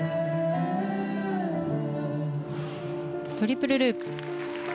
トリプルループ。